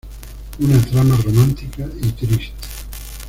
Una trama romántica y triste.